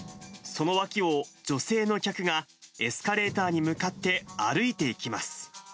その脇を女性の客がエスカレーターに向かって歩いていきます。